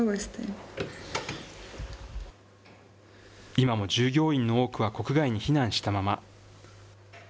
今も従業員の多くは国外に避難したまま。